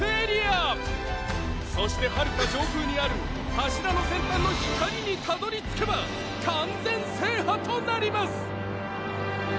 そしてはるか上空にある柱の先端の光にたどり着けば完全制覇となります！